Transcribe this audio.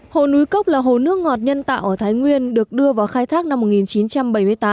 hồ núi cốc là hồ nước ngọt nhân tạo ở thái nguyên được đưa vào khai thác năm một nghìn chín trăm bảy mươi tám